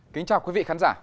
kính chào quý vị khán giả